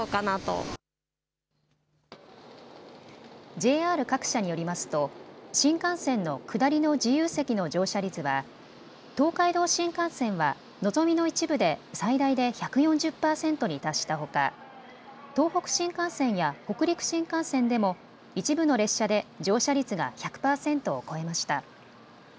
ＪＲ各社によりますと新幹線の下りの自由席の乗車率は東海道新幹線はのぞみの一部で最大で１４０％に達したほか、東北新幹線や北陸新幹線でも一部の列車で乗車率が１００％を超えました。